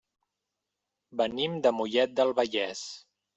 Venim de Mollet del Vallès.